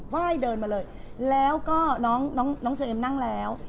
ว่ายเดินมาเลยแล้วก็น้องเจมนั่งแล้ว